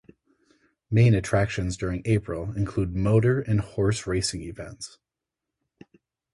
Main attractions during April include motor and horse racing events.